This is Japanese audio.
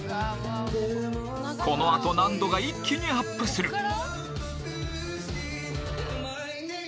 この後難度が一気にアップする